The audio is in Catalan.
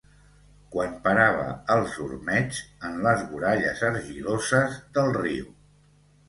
Quan parava els ormeigs en les voralles argiloses del riu